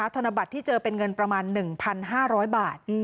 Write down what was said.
ธนบัตรที่เจอเป็นเงินประมาณ๑๕๐๐บาท